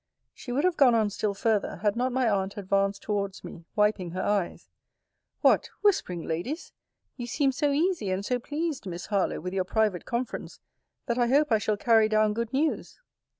She would have gone on still further, had not my aunt advance towards me, wiping her eyes What! whispering ladies! You seem so easy and so pleased, Miss Harlowe, with your private conference, that I hope I shall carry down good news.